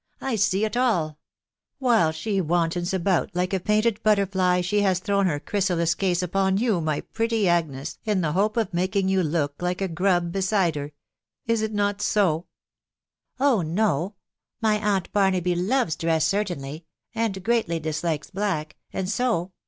" I see it all :.... while she wantons about like a painted but terfly, she has thrown her chrysalis case upon you, my pretty Agnes, in the hope of making you look like a grub beside her, Is it not so ?" 406 XHfl WIDOW BABNABT. " Oh no !...<. my aunt Barnaby loves drew certainly, .,.. and greatly dislikes black, and so